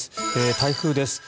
台風です。